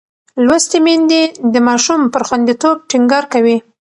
لوستې میندې د ماشوم پر خوندیتوب ټینګار کوي.